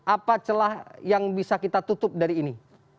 apa celah yang bisa kita tutup dari ini